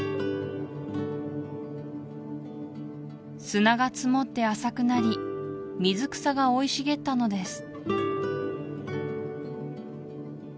砂が積もって浅くなり水草が生い茂ったのです